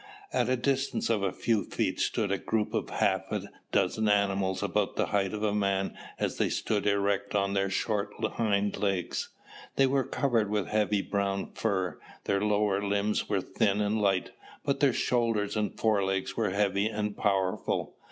At a distance of a few feet stood a group of half a dozen animals about the height of a man as they stood erect on their short hind legs. They were covered with heavy brown fur. Their lower limbs were thin and light, but their shoulders and forelegs were heavy and powerful.